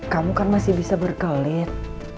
kamu kan masih bisa berkelit